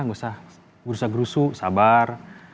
nggak usah gerusa gerusu sabar